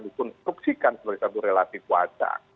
itu pun fruksikan sebagai satu relasi kuasa